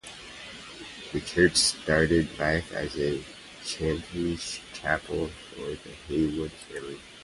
The church started life as a chantry chapel for the Heywood family.